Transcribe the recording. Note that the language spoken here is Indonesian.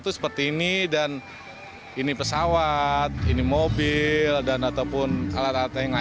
bisa edukasi juga buat anak anak ya